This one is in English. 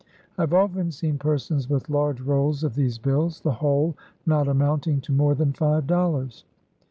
I have often seen persons with large rolls of these bills, the whole not amounting to more than five dollars.